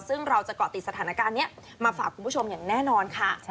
ซึ่งเราจะเกาะติดสถานการณ์นี้มาฝากคุณผู้ชมอย่างแน่นอนค่ะ